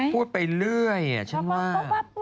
พูดไปเรื่อยฉันว่า